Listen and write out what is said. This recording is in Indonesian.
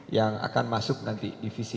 yang akan masuk nanti divisi